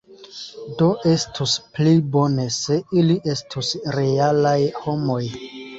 Do estus pli bone se ili estus realaj homoj.